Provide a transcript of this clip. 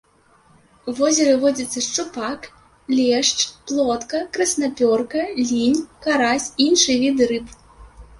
У возеры водзяцца шчупак, лешч, плотка, краснапёрка, лінь, карась і іншыя віды рыб.